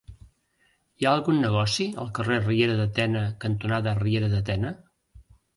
Hi ha algun negoci al carrer Riera de Tena cantonada Riera de Tena?